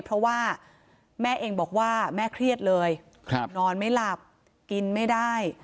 เพราะว่าแม่เองบอกว่าแม่เครียดเลยนอนไม่หลับกินไม่ได้